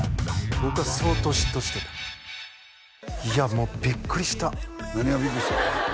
僕は相当嫉妬してたいやもうビックリした何がビックリしたん？